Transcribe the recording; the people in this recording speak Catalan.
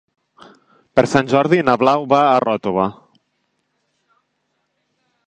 Per Sant Jordi na Blau va a Ròtova.